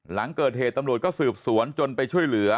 หลังเกิดเหตุตำรวจก็สืบสวนจนไปช่วยเหลือ